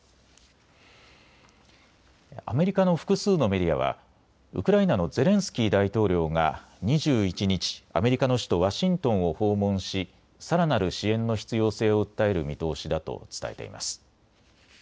アメリカの複数のメディアはウクライナのゼレンスキー大統領が２１日、アメリカの首都ワシントンを訪問しさらなる支援の必要性を訴える見通しだと伝えています。